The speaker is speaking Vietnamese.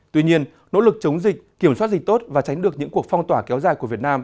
tuy nhiên nỗ lực chống dịch kiểm soát dịch tốt và tránh được những cuộc phong tỏa kéo dài của việt nam